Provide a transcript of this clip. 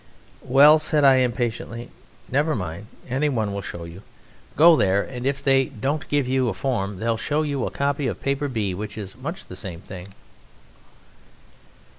"Well," said I impatiently, "never mind, anyone will show you. Go there, and if they don't give you a form they'll show you a copy of Paper B, which is much the same thing."